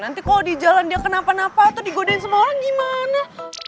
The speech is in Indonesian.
nanti kalau di jalan dia kenapa napa atau digodain semua orang gimana